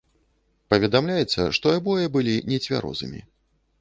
Паведамляецца, што абое былі нецвярозымі.